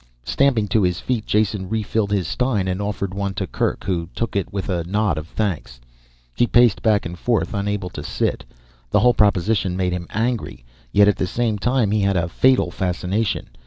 Stamping to his feet Jason refilled his stein and offered one to Kerk who took it with a nod of thanks. He paced back and forth, unable to sit. The whole proposition made him angry yet at the same time had a fatal fascination.